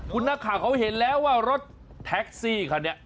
คุณนักข่าวเขาเห็นแล้วว่ารถแท็กซี่คันนี้